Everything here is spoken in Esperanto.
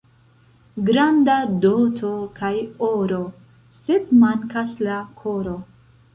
Granda doto kaj oro, sed mankas la koro.